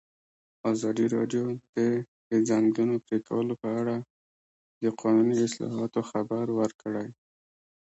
ازادي راډیو د د ځنګلونو پرېکول په اړه د قانوني اصلاحاتو خبر ورکړی.